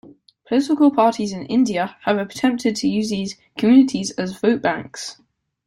Political parties in India have attempted to use these communities as votebanks.